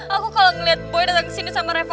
aku kalau ngeliat boy datang kesini sama reva